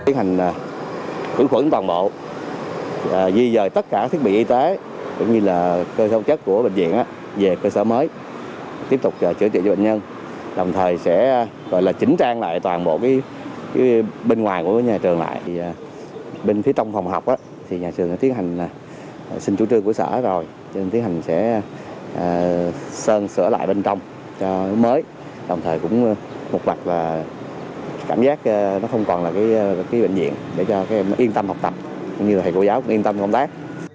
chủ trương của sở rồi tiến hành sẽ sơn sửa lại bên trong cho mới đồng thời cũng mục đặc là cảm giác nó không còn là cái bệnh viện để cho yên tâm học tập như là thầy cô giáo cũng yên tâm công tác